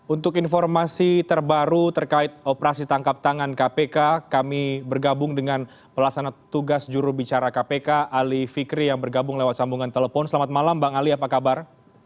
untuk informasi terbaru terkait operasi tangkap tangan kpk kami bergabung dengan pelaksana tugas jurubicara kpk ali fikri yang bergabung lewat sambungan telepon selamat malam bang ali apa kabar